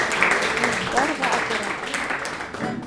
Mulkdor va operator: